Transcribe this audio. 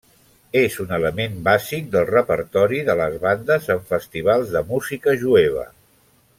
És un element bàsic del repertori de les bandes en festivals de música jueva.